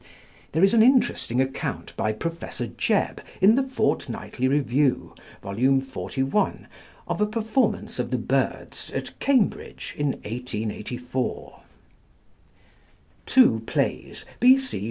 There is an interesting account by Professor Jebb in the Fortnightly Review (Vol. xli.) of a performance of 'The Birds' at Cambridge in 1884. Two plays, B.C.